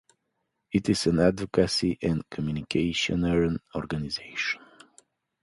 It is an advocacy and humanitarian organization.